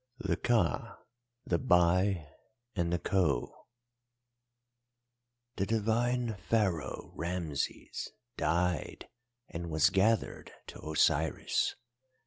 THE KA, THE BAI, AND THE KHOU "The Divine Pharaoh Rameses died and was gathered to Osiris.